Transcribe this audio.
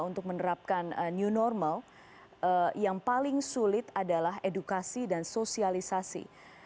untuk menerapkan new normal yang paling sulit adalah edukasi dan sosialisasi